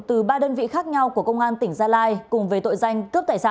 từ ba đơn vị khác nhau của công an tỉnh gia lai cùng về tội danh cướp tài sản